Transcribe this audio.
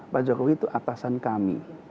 pak jokowi itu atasan kami